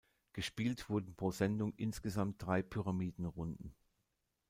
Gespielt wurden pro Sendung insgesamt drei Pyramiden-Runden.